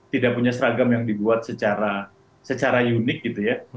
tidak punya seragam yang dibuat secara unik gitu ya